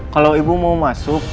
kalau ibu mau masuk